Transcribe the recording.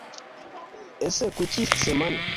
Ese kuki Semana